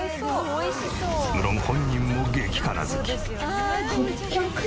無論本人も激辛好き。